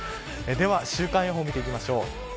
では週間予報を見ていきましょう。